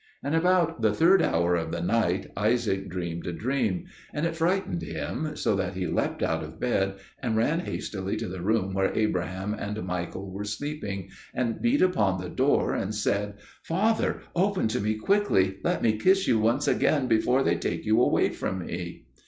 And about the third hour of the night Isaac dreamed a dream, and it frightened him, so that he leapt out of bed and ran hastily to the room where Abraham and Michael were sleeping, and beat upon the door and said, "Father, open to me quickly! let me kiss you once again before they take you away from me."